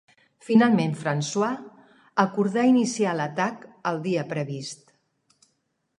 Finalment François acordà iniciar l'atac el dia previst.